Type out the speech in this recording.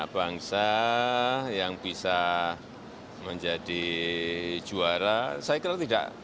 persiapan ada sih